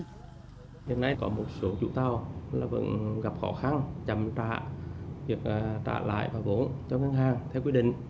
hiện nay có một số chủ tàu là vẫn gặp khó khăn chậm trả việc trả lại và vốn cho ngân hàng theo quy định